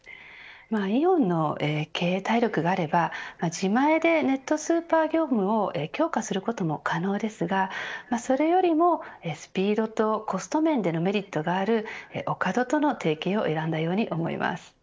イオンの経営体力があれば自前でネットスーパー業務を強化することも可能ですがそれよりもスピードとコスト面でのメリットがあるオカドとの提携を選んだように思います。